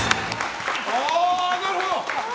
なるほど！